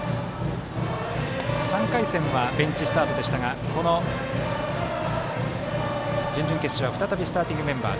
３回戦はベンチスタートでしたがこの準々決勝は再びスターティングメンバー。